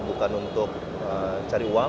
bukan untuk cari uang